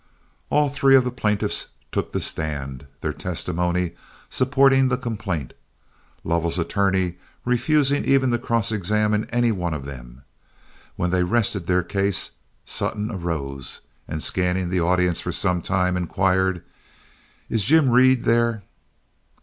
All three of the plaintiffs took the stand, their testimony supporting the complaint, Lovell's attorney refusing even to cross examine any one of them. When they rested their case Sutton arose, and scanning the audience for some time, inquired, "Is Jim Reed there?"